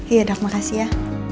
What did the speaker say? iya dok makasih ya